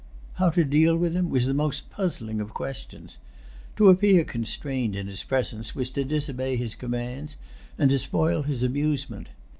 How to deal with him was the most puzzling of questions. To appear constrained in his presence was to disobey his commands, and to spoil his amusement.